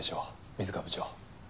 水川部長。